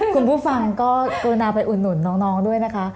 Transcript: คุณผู้ฟังก็กรุณาไปอุดหนุนน้องด้วยนะคะ